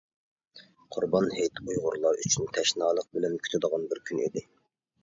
قۇربان ھېيت ئۇيغۇرلار ئۈچۈن تەشنالىق بىلەن كۈتىدىغان بىر كۈن ئىدى.